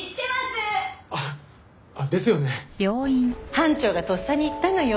班長がとっさに言ったのよ。